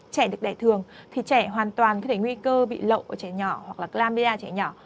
trẻ được đẻ thường thì trẻ hoàn toàn có thể nguy cơ bị lậu của trẻ nhỏ hoặc là glambidia trẻ nhỏ